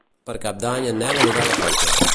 Per Cap d'Any en Nel anirà a la platja.